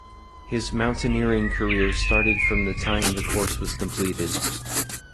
His mountaineering career started from the time the course was completed.